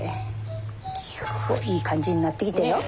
おっいい感じになってきたよ。